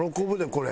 これ。